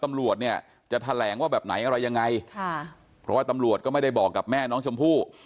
ตำรวจเนี่ยจะแถลงว่าแบบไหนอะไรยังไงค่ะเพราะว่าตำรวจก็ไม่ได้บอกกับแม่น้องชมพู่